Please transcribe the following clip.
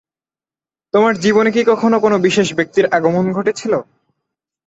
তোমার জীবনে কি কখনো কোনো বিশেষ ব্যাক্তির আগমন ঘটেছিল?